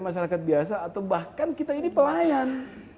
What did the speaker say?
masyarakat biasa atau bahkan kita ini pelayan